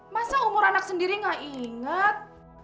masa umur anak sendiri gak ingat